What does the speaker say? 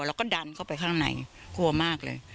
แล้วก็ดันเข้าไปข้างในกลัวมากเลย